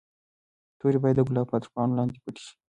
توري باید د ګلاب تر پاڼو لاندې پټې شي.